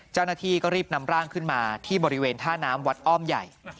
เจ้าหน้าที่ก็รีบนำร่างขึ้นมาที่บริเวณท่าน้ำวัดอ้อมใหญ่